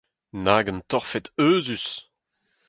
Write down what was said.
Nag un torfed euzhus !